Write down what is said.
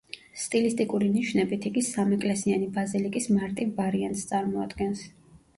სტილისტიკური ნიშნებით იგი სამეკლესიანი ბაზილიკის მარტივ ვარიანტს წარმოადგენს.